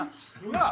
なあ？